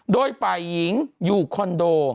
โดยฝ่ายหญิงอยู่คอนโด